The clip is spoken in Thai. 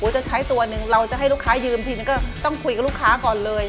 จะใช้ตัวหนึ่งเราจะให้ลูกค้ายืมทีนึงก็ต้องคุยกับลูกค้าก่อนเลย